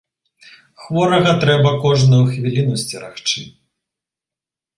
Хворага трэба кожную хвіліну сцерагчы.